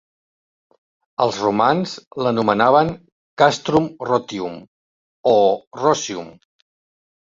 Els romans l'anomenaven "Castrum Rotium" o "Rocium".